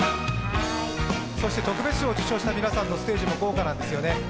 そして特別賞を受賞した皆さんのステージも豪華なんですよね。